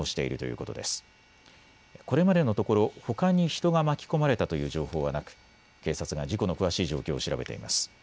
これまでのところ、ほかに人が巻き込まれたという情報はなく警察が事故の詳しい状況を調べています。